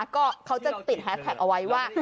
ก็เขาจะติดแฮสแท็กเอาไว้ว่า